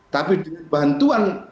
tapi dengan bantuan